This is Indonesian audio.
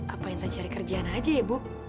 apa intan cari kerjaan aja ya bu